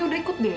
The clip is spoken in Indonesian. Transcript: udah udah boiling